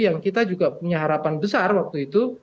saya juga punya harapan besar waktu itu